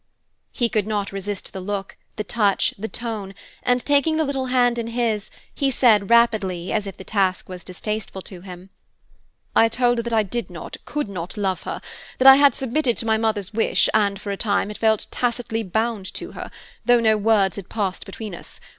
He could not resist the look, the touch, the tone, and taking the little hand in his, he said rapidly, as if the task was distasteful to him, "I told her that I did not, could not love her; that I had submitted to my mother's wish, and, for a time, had felt tacitly bound to her, though no words had passed between us.